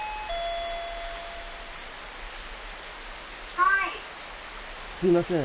はいすいません